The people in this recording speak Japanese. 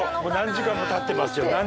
何時間もたってます。